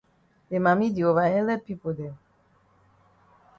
De mami di ova helep pipo dem.